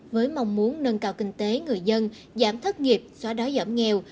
với mong muốn nâng cao kinh tế người dân giảm thất nghiệp xóa đói giảm nghèo